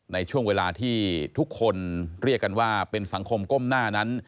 ในช่วงเวลาที่ทุกคนเรียกกันว่าเป็นสังคมก้มหน้านั้น